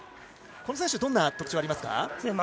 この選手はどんな特徴がありますか。